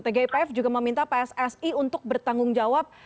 tgipf juga meminta pssi untuk bertanggung jawab